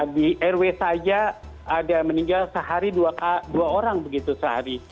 di rw saja ada yang meninggal sehari dua orang begitu sehari